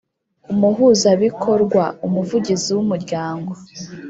Umuhuzabikorwa umuvugizi w umuryango